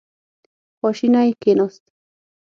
خواشینی کېناست.